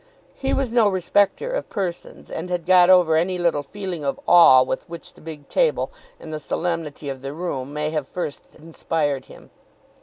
He was no respecter of persons, and had got over any little feeling of awe with which the big table and the solemnity of the room may have first inspired him.